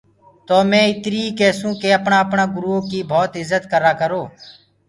تو مي اِتر ئي ڪيسونٚ ڪي اپڻآ اپڻآ گُرئو ڪي ڀوت اِجت ڪررآ ڪرو۔